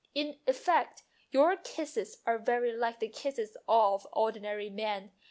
In effect your kisses are very like the kisses of ordinary men.